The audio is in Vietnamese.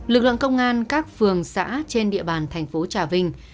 lực lượng công an các phường xã trên địa bàn thành phố trà vinh